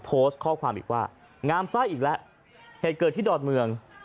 โพสต์ข้อความอีกว่างามไส้อีกแล้วเหตุเกิดที่ดอนเมือง